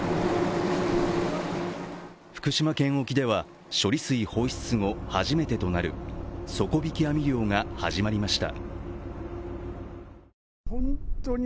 福島県沖では、処理水放出後初めてとなる底引き網漁が始まりました。